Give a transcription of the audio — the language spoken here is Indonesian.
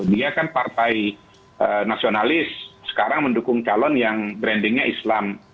dia kan partai nasionalis sekarang mendukung calon yang brandingnya islam